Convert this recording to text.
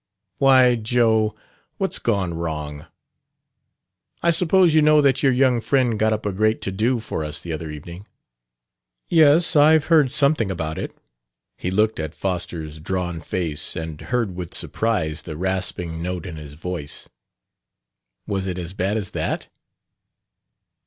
"Why, Joe, what's gone wrong?" "I suppose you know that your young friend got up a great to do for us the other evening?" "Yes; I've heard something about it." He looked at Foster's drawn face, and heard with surprise the rasping note in his voice. "Was it as bad as that?"